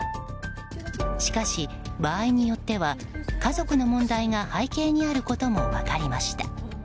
しかし、場合によっては家族の問題が背景にあることも分かりました。